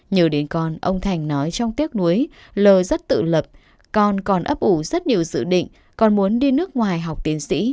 nhờ đến con ông thành nói trong tiếc nuối l rất tự lập con còn ấp ủ rất nhiều dự định con muốn đi nước ngoài học tiến sĩ